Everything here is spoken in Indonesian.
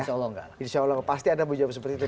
insya allah enggak pasti ada yang menjawab seperti itu